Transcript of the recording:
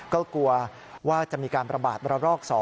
ก็กลัวว่าจะมีการประบาดระรอก๒